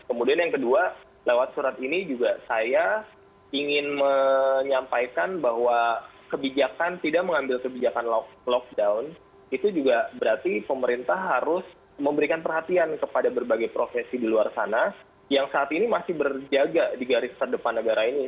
kemudian yang kedua lewat surat ini juga saya ingin menyampaikan bahwa kebijakan tidak mengambil kebijakan lockdown itu juga berarti pemerintah harus memberikan perhatian kepada berbagai profesi di luar sana yang saat ini masih berjaga di garis terdepan negara ini